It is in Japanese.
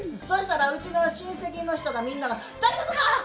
そしたらうちの親戚の人がみんなが「大丈夫か？